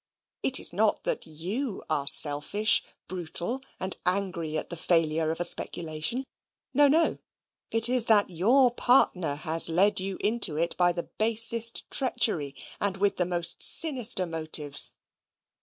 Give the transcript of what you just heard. It is not that you are selfish, brutal, and angry at the failure of a speculation no, no it is that your partner has led you into it by the basest treachery and with the most sinister motives.